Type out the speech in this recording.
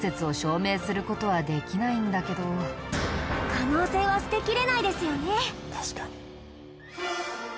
可能性は捨てきれないですよね。